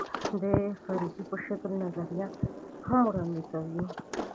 د فرضیې په شکل نظریه هم وړاندې کوي.